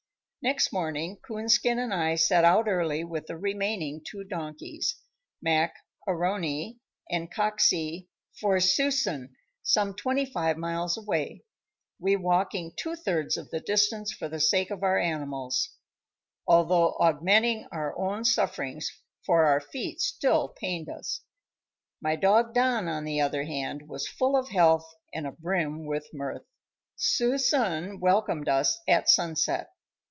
Next morning Coonskin and I set out early with the remaining two donkeys, Mac A'Rony and Coxey, for Suisun, some twenty five miles away, we walking two thirds of the distance for the sake of our animals, although augmenting our own sufferings, for our feet still pained us. My dog, Don, on the other hand, was full of health and abrim with mirth. Suisun welcomed us at sunset.